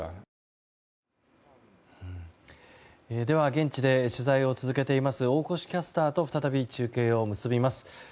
では、現地で取材を続けています大越キャスターと再び中継を結びます。